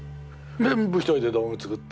全部一人で道具作って。